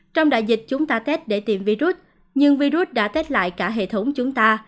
trong đại dịch chúng ta test để tìm virus nhưng virus đã test lại cả hệ thống chúng ta